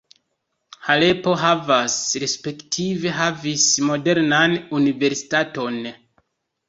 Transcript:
Halepo havas respektive havis modernan universitaton.